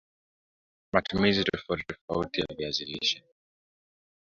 Matumizi tofauti tofautiya viazi lishe